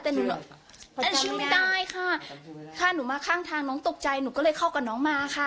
แต่หนูเล่นชื่อไม่ได้ค่ะถ้าหนูมาข้างทางน้องตกใจหนูก็เลยเข้ากับน้องมาค่ะ